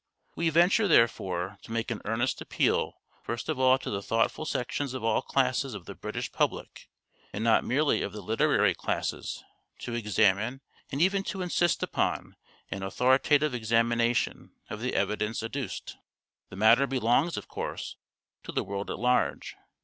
We venture, therefore, to make an earnest appeal first of all to the thoughtful sections of all classes of the British public, and not merely of the literary classes, to examine, and even to insist upon an authoritative examination, of the evidence adduced. The matter belongs, of course, to the world at large.